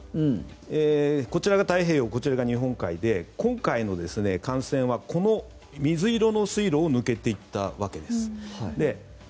こちらが太平洋こちらが日本海で今回の艦船はこの水色の水路を抜けていったわけです。